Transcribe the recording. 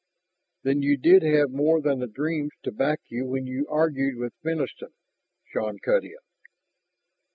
"Then you did have more than the dreams to back you when you argued with Fenniston!" Shann cut in.